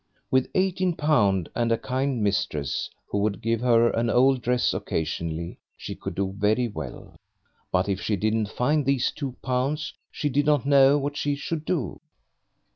With eighteen pound and a kind mistress who would give her an old dress occasionally she could do very well. But if she didn't find these two pounds she did not know what she should do.